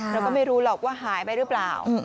เราก็ไม่รู้หรอกว่าหายไปหรือเปล่า